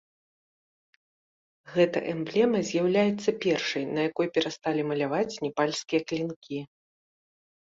Гэта эмблема з'яўляецца першай, на якой перасталі маляваць непальскія клінкі.